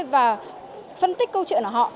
và phân tích câu chuyện của họ